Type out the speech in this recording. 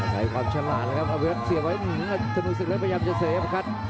ใส่ความฉลาดเลยครับอัภพยวัตเสียไว้อื้อธนูศิกเล็กพยาบาคัท